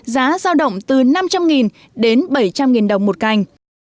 giá giao động từ năm trăm linh đến bảy trăm linh đồng một cành